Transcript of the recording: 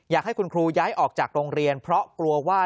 อยากให้คุณครูย้ายออกจากโรงเรียนเพราะกลัวว่า